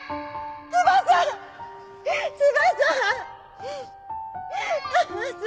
翼！